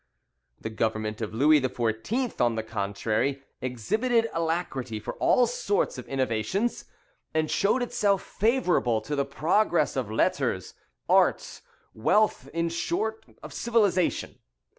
The government of Louis XIV., on the contrary, exhibited alacrity for all sorts of innovations, and showed itself favourable to the progress of letters, arts, wealth in short, of civilization.